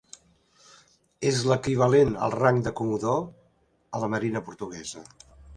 És l'equivalent al rang de comodor a la marina portuguesa.